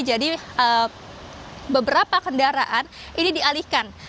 jadi beberapa kendaraan ini dialihkan